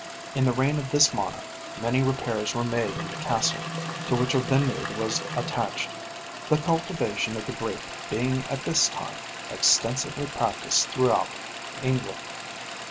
In the reign of this monarch many repairs were made in the castle, to which a vineyard was attached the cultivation of the grape being at this time extensively practised throughout England.